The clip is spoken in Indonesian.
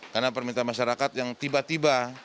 karena permintaan masyarakat yang tiba tiba